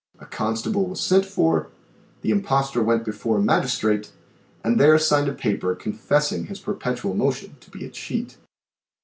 A constable was sent for, the impostor went before a magistrate and there signed a paper confess ing his perpetual motion to be a cheat.